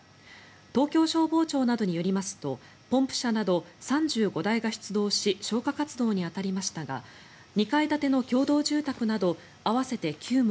東京消防庁などによりますとポンプ車など３５台が出動し消火活動に当たりましたが２階建ての共同住宅など合わせて９棟